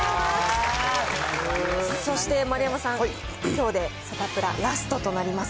そして丸山さん、きょうでサタプララストとなります。